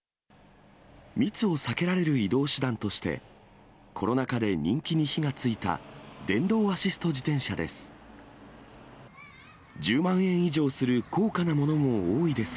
密を避けられる移動手段として、コロナ禍で人気に火がついた電動アシスト自転車です。